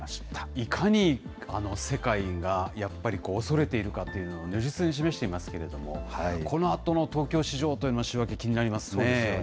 いかに世界がやっぱり恐れているかというのを如実に示していますけれども、このあとの東京市場の週明け、気になりますよね。